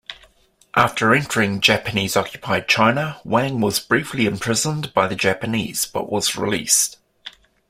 After entering Japanese-occupied China, Wang was briefly imprisoned by the Japanese, but was released.